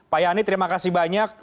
pak yani terima kasih banyak